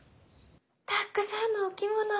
たくさんのお着物。